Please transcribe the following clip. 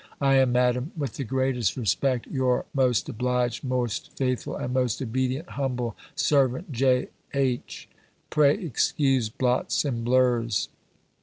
I am, Madam, with the greatest respecte, youre most obliged, moste faithful, and most obedient humbell servante, J.H. "Pray excuse blotts and blurs."